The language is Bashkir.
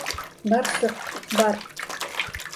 Бар сыҡ, бар!